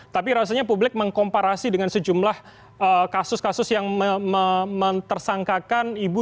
tapi rasanya publik mengkomparasi dengan sejumlah kasus kasus yang mentersangkakan ibu